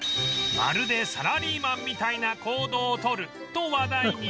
まるでサラリーマンみたいな行動を取ると話題に